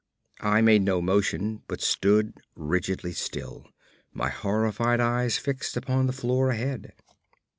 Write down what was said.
I made no motion, but stood rigidly still, my horrified eyes fixed upon the floor ahead.